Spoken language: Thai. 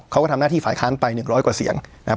เขาก็ทำหน้าที่ฝ่ายค้านไป๑๐๐กว่าเสียงนะครับ